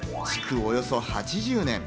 およそ８０年。